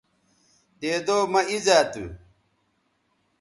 دیدو مہ اِیزا تھو